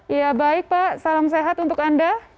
ya baik pak salam sehat untuk anda